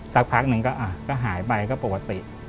สักพักนึงก็อ่ะก็หายไปก็ปกติ